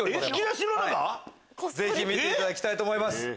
ぜひ見ていただきたいと思います。